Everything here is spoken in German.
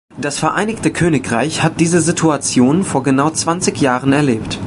Das Vereinigte Königreich hat diese Situation vor genau zwanzig Jahren erlebt.